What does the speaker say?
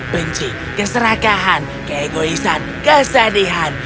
benci keserakahan keegoisan kesedihan